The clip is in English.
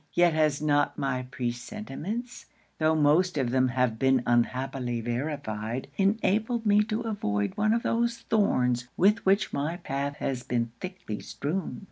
Yet has not my pre sentiments, tho' most of them have been unhappily verified, enabled me to avoid one of those thorns with which my path has been thickly strewn.'